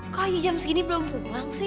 kok ayu jam segini belum pulang sih